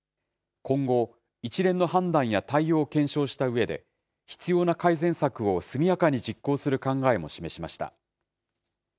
今後、一連の判断や対応を検証したうえで、必要な改善策を速やかに実行する考えも示しました。